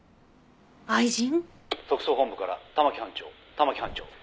「特捜本部から玉城班長玉城班長」